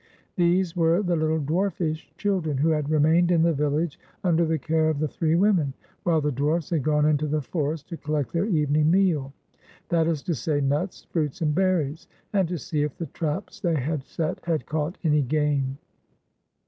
These were the little dwarfish children who had remained in the village under the care of the three women, while the dwarfs had gone into the forest to collect their evening meal — that is to say, nuts, fruits, and berries — and to see if the traps they had set had caught any game.